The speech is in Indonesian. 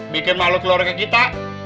bikin malu keluarga kita